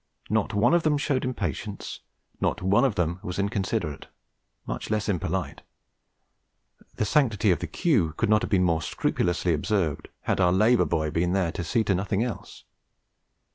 Not one of them showed impatience; not one of them was inconsiderate, much less impolite; the sanctity of the queue could not have been more scrupulously observed had our Labour boy been there to see to nothing else.